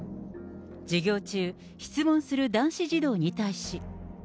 授業中、質問する男子児童に対し。